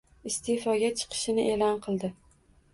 iste'foga chiqishini e'lon qildi